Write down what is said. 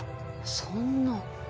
そんな。